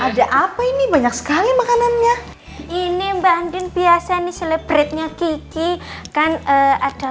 ada apa ini banyak sekali makanannya ini mbak andin biasa nih selebritnya kiki kan ada